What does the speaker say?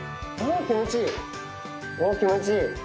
おぉ気持ちいい？